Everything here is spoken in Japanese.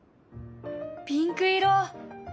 ピンク色！